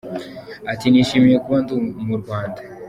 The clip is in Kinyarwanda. Ati “Nishimiye kuba ndi mu Rwanda.